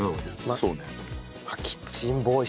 そうね。